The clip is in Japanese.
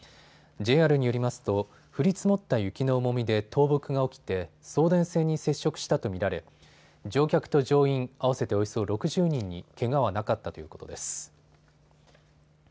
ＪＲによりますと降り積もった雪の重みで倒木が起きて送電線に接触したと見られ乗客と乗員、合わせておよそ６０人に、けがはなかったということです。